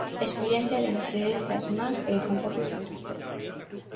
Esperientziaren xehetasunak kontatu zituzten.